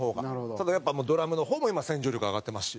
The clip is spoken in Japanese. ただやっぱドラムの方も今洗浄力上がってますし。